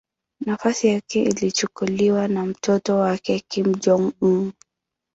Nafasi yake ilichukuliwa na mtoto wake Kim Jong-un.